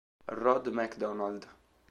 Rod McDonald